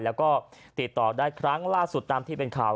แล้วก็ติดต่อได้ครั้งล่าสุดตามที่เป็นข่าว